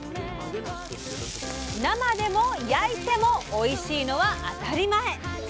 生でも焼いてもおいしいのは当たり前！